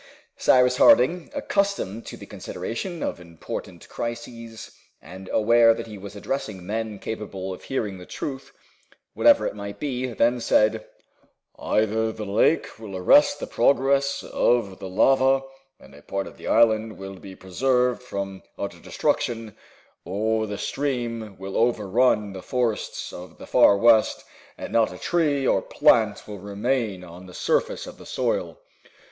Cyrus Harding, accustomed to the consideration of important crises, and aware that he was addressing men capable of hearing the truth, whatever it might be, then said, "Either the lake will arrest the progress of the lava, and a part of the island will be preserved from utter destruction, or the stream will overrun the forests of the Far West, and not a tree or plant will remain on the surface of the soil.